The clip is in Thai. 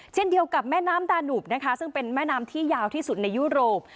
เช่นเดียวกับแม่น้ำดาหนุบนะคะซึ่งเป็นแม่น้ำที่ยาวที่สุดในยุโรป